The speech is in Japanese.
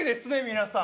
皆さん。